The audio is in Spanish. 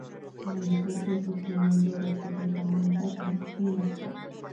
Al mismo tiempo, se le nombró rector de San Aldate’s, en Oxford.